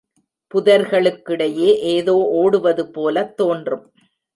புதர்களுக்கிடையே ஏதோ ஒடுவது போலத் தோன்றும்.